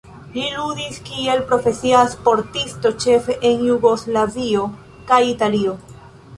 Li ludis kiel profesia sportisto ĉefe en Jugoslavio kaj Italio.